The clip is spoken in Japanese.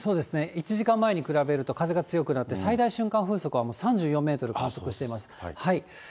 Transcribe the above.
１時間前と比べると風が強くなって、最大瞬間風速は３４メートル観測しています。